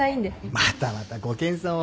またまたご謙遜を。